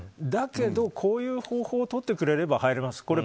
だけど、こういう方法をとってくれれば入れますと。